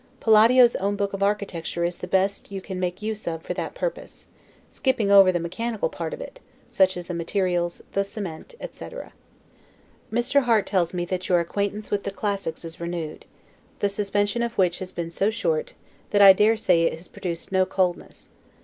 Palladio's own book of architecture is the best you can make use of for that purpose, skipping over the mechanical part of it, such as the materials, the cement, etc. Mr. Harte tells me, that your acquaintance with the classics is renewed; the suspension of which has been so short, that I dare say it has produced no coldness.